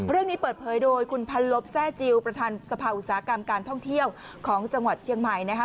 เรื่องนี้เปิดเผยโดยคุณพันลบแทร่จิลประธานสภาอุตสาหกรรมการท่องเที่ยวของจังหวัดเชียงใหม่นะคะ